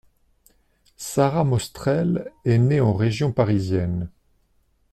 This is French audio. Sarah Mostrel est née en région parisienne.